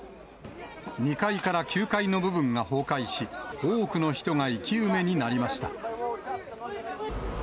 ２階から９階の部分が崩壊し、多くの人が生き埋めになりました。